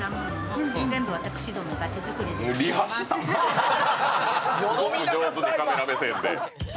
すごく上手にカメラ目線で。